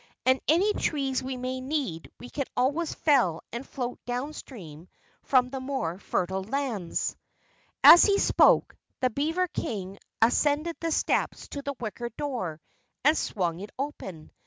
And any trees we may need we can always fell and float downstream from the more fertile lands." As he spoke the beaver King ascended the steps to the wicker door and swung it open.